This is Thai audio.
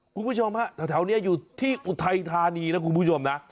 คุณผู้ชมฮะแถวนี้อยู่ที่อุทัยธานีนะคุณผู้ชมนะ